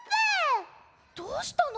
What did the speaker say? どうしたの？